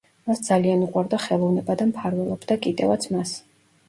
მას ძალიან უყვარდა ხელოვნება და მფარველობდა კიდევაც მას.